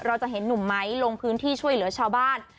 เราจะเห็นหนุ่มไม้ลงพื้นที่ช่วยเหลือชาวบ้าน